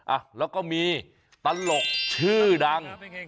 อ่ะแล้วก็มีตลกชื่อดัง